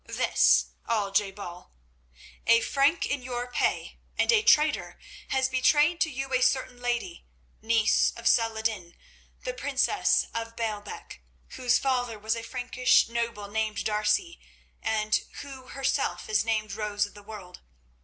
"This, Al je bal. A Frank in your pay, and a traitor, has betrayed to you a certain lady, niece of Salah ed din, the princess of Baalbec, whose father was a Frankish noble named D'Arcy, and who herself is named Rose of the World.